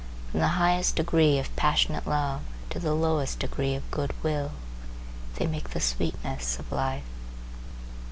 From the highest degree of passionate love to the lowest degree of good will, they make the sweetness of life.